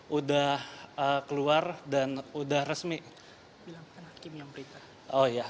sudah keluar dan sudah resmi